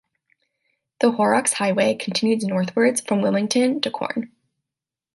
The Horrocks Highway continues northwards from Wilmington to Quorn.